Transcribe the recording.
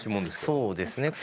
そうですね。